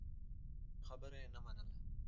خو د بل چا خبره یې نه منله.